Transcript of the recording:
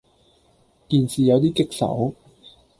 件事有啲棘手